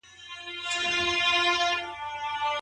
عطاري دوکانونه څه پلوري؟